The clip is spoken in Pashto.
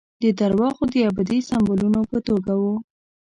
د درواغو د ابدي سمبولونو په توګه وو.